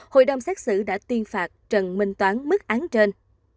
hội đồng xét xử đã tuyên phạt trần minh toán mức án trên